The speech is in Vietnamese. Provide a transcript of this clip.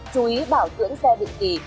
chú ý bảo tưởng xe định kỳ